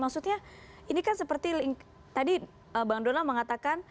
maksudnya ini kan seperti tadi bang donal mengatakan